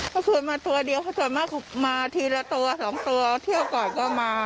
เขาเคยมาตัวเดียวเขามันมาคอบคุกมาทีละตัวสองตัวเที่ยวก่อนก็มา